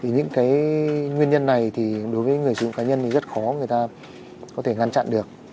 những nguyên nhân này thì đối với người sử dụng cá nhân thì rất khó người ta có thể ngăn chặn được